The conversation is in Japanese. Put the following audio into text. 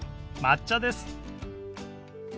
「抹茶」です。